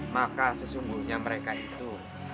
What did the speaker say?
maka sesungguhnya mereka itu